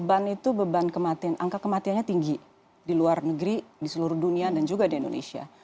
beban itu beban kematian angka kematiannya tinggi di luar negeri di seluruh dunia dan juga di indonesia